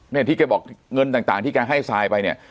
เนี่ยที่แกบอกเงินต่างที่แกให้ทรายไปเนี่ย